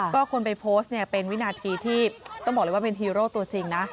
ก็คนไปโพสต์เนี่ยเป็นวินาทีที่ต้องบอกเลยว่าเป็นฮีโร่ตัวจริงนะ